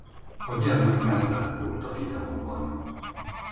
A gyermek meztelen volt a videóban.